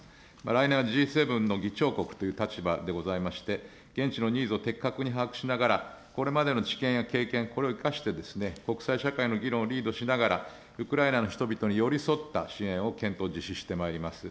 来年はＧ７の議長国という立場でございまして、現地のニーズを的確に把握しながら、これまでの知見や経験、これを生かして、国際社会の議論をリードしながら、ウクライナの人々に寄り添った支援を検討、実施してまいります。